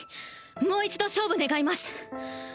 もう一度勝負願います